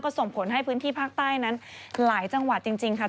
ส่งผลให้พื้นที่ภาคใต้นั้นหลายจังหวัดจริงค่ะ